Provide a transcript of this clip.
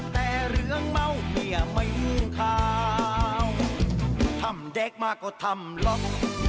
แต่เรื่องเมาเนี่ยไม่ยุ่งขาวทำเด็กมาก็ทำหรอก